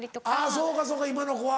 そうかそうか今の子は。